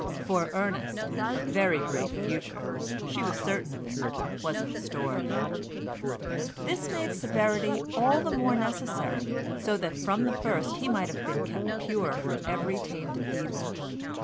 For Ernest, a very great future—she was certain of it—was in store. This made severity all the more necessary, so that from the first he might have been kept pure from every taint of evil.